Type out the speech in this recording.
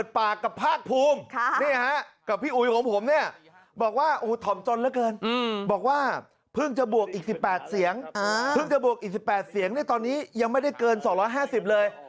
สิบแปดเสียงตอนนี้ยังไม่ได้เกินสองร้อยห้าสิบเลย